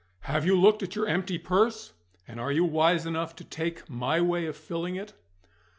Have you looked at your empty purse, and are you wise enough to take my way of filling it?"